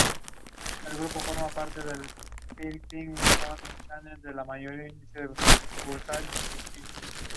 Lalit is in desperate grief.